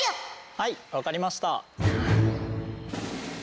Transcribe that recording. はい分かりました。